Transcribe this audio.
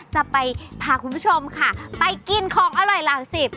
จะไปพาคุณผู้ชมค่ะไปกินของอร่อยหลักสิบ